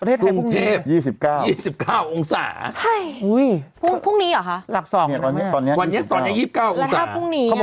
ประเทศไทยเอาเติมตัวไทย